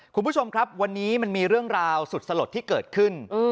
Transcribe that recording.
คุณผู้ชมครับวันนี้มันมีเรื่องราวสุดสลดที่เกิดขึ้น